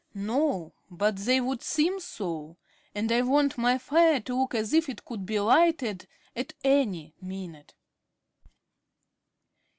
"No, but they would seem so. And I want my fire to look as if it could be lighted at any minute."